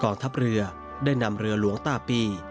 ทัพเรือได้นำเรือหลวงตาปี